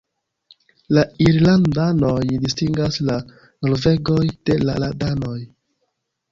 La irlandanoj distingas la norvegoj de la danoj.